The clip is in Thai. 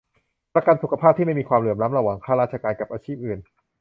ประกันสุขภาพที่ไม่มีความเหลื่อมล้ำระหว่างข้าราชการกับอาชีพอื่น